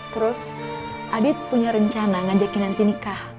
terus adit punya rencana ngajak kinanti nikah